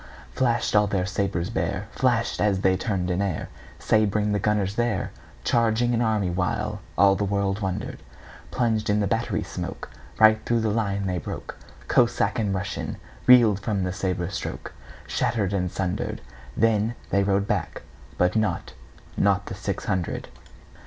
Flash'd all their sabres bare, Flash'd as they turn'd in airSabring the gunners there, Charging an army, whileAll the world wonder'd:Plunged in the battery smokeRight thro' the line they broke; Cossack and RussianReel'd from the sabre strokeShatter'd and sunder'd. Then they rode back, but notNot the six hundred.